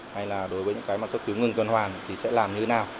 hay là đối với những cái mà cấp cứu ngưng cơn hoàn thì sẽ làm như thế nào